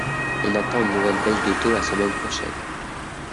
On attend une nouvelle baisse de taux la semaine prochaine.